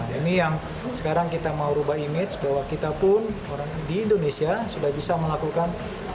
dan hanya bisa dikerjakan di luar negeri nah ini yang sekarang kita mau rubah image bahwa kita pun orang di indonesia sudah bisa melakukan